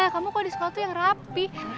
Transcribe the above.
kamu kok di sekolah tuh yang rapi